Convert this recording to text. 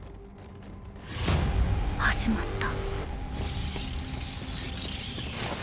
始まった。